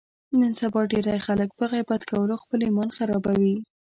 نن سبا ډېری خلک په غیبت کولو خپل ایمان خرابوي.